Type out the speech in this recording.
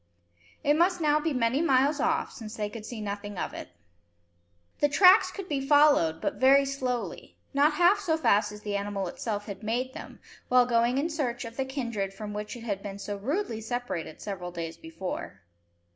It must now be many miles off, since they could see nothing of it. The tracks could be followed but very slowly, not half so fast as the animal itself had made them, while going in search of the kindred from which it had been so rudely separated several days before.